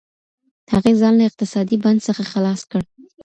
هغې ځان له اقتصادي بند څخه خلاص کړ.